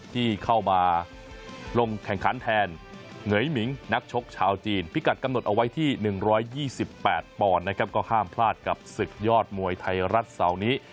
ที่เข้ามาลงแข่งขันแทนเหงยหมิงนักชกชาวจีนพิกัดกำหนดเอาไว้ที่๑๒๘ปอนด์นะครับก็ห้ามพลาดกับศึกยอดมวยไทยรัฐเสาร์นี้